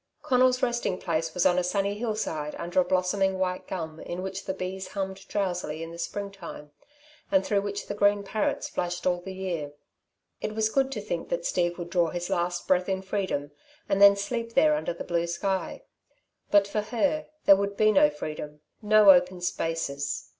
Conal's resting place was on a sunny hillside under a blossoming white gum in which the bees hummed drowsily in the spring time and through which the green parrots flashed all the year. It was good to think that Steve would draw his last breath in freedom, and then sleep there under the blue sky. But for her, there would be no freedom, no open spaces.